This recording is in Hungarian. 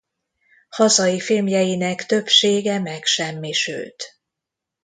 Hazai filmjeinek többsége megsemmisült.